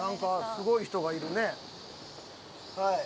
すごい人がいるね。